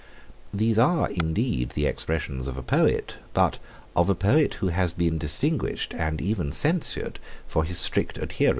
These are indeed the expressions of a poet; but of a poet who has been distinguished, and even censured, for his strict adherence to the truth of history.